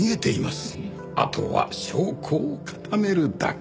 あとは証拠を固めるだけ。